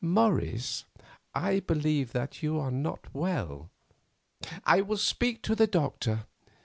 Morris, I believe that you are not well. I will speak to the doctor.